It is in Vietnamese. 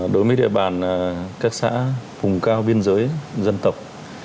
đối với địa bàn các xã vùng cao biên giới dân tộc